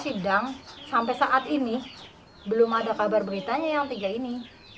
sidang sampai saat ini belum ada kabar beritanya yang tiga ini